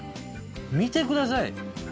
見てください！